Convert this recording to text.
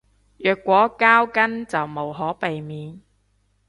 若果交更就無可避免